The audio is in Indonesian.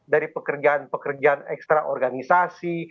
dari pekerjaan pekerjaan ekstra organisasi